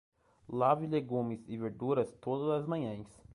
Lave legumes e verduras todas as manhãs